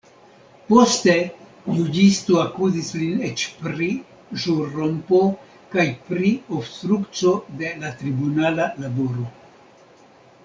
Poste, juĝisto akuzis lin eĉ pri ĵurrompo kaj pri obstrukco de la tribunala laboro.